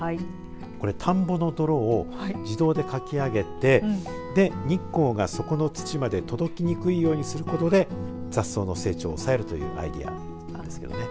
これ田んぼの泥を自動でかきあげて日光がそこの土まで届きにくいようにすることで雑草の成長を抑えるというアイデアなんですよね。